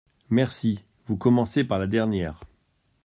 Merci, vous commencez par la dernière.